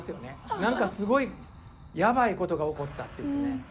何かすごいやばいことが起こったっていってね。